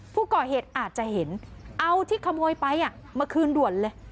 ผู้ก่อเหตุอาจจะเห็นเอาที่ขโมยไปมาคืนด่วนเลย